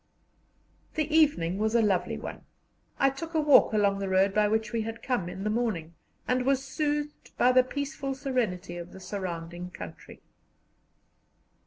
The evening was a lovely one. I took a walk along the road by which we had come in the morning, and was soothed by the peaceful serenity of the surrounding country.